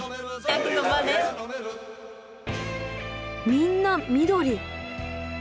みんな緑！